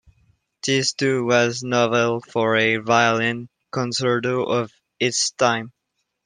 This too was novel for a violin concerto of its time.